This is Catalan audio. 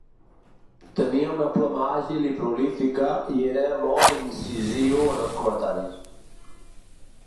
Tenia una ploma àgil i prolífica i era molt incisiu en els comentaris.